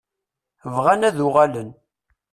Bɣan ad uɣalen.